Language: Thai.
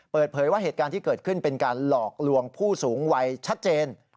เปิดเผยว่าเหตุการณ์ที่เกิดขึ้นเป็นการหลอกลวงผู้สูงวัยชัดเจน